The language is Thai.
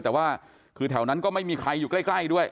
แต่ว่าคือแถวนั้นก็ไม่มีใครอยู่ใกล้ด้วย